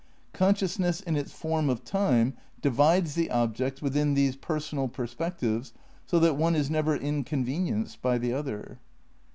Consciousness in its form of Time divides tbe objects witbin tbese personal perspectives so tbat one is never inconvenienced by tbe otber.